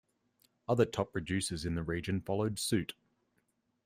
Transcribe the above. Other top producers in the region followed suit.